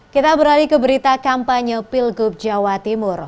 kita beralih ke berita kampanye pilgub jawa timur